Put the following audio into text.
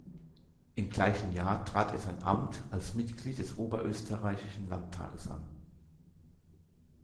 Im gleichen Jahr trat er sein Amt als Mitglied des Oberösterreichischen Landtages an.